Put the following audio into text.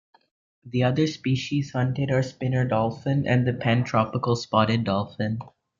The other species hunted are Spinner Dolphin and the Pantropical Spotted Dolphin.